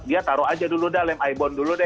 dia taruh aja dulu dah lem aibon dulu